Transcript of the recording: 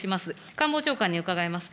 官房長官に伺います。